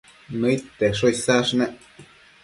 Nëid tesho isash nec